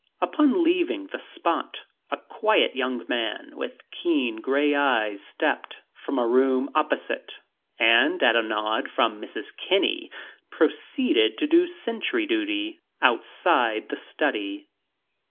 Upon leaving the spot, a quiet young man with keen gray eyes stepped from a room opposite, and at a nod from Mrs. Kinney proceeded to do sentry duty outside the study.